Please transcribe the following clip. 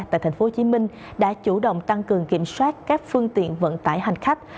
tại tp hcm đã chủ động tăng cường kiểm soát các phương tiện vận tải hành khách